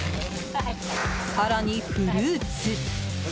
更に、フルーツ。